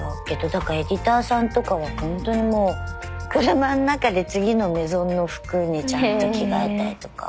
だからエディターさんとかはほんとにもう車の中で次のメゾンの服にちゃんと着替えたりとか。